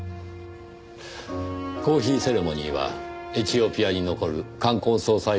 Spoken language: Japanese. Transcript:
コーヒーセレモニーはエチオピアに残る冠婚葬祭の風習です。